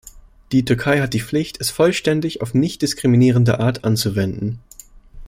Die Türkei hat die Pflicht, es vollständig, auf nicht diskriminierende Art anzuwenden.